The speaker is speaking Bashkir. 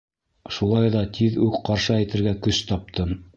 Шулай ҙа тиҙ үк ҡаршы әйтергә көс таптым.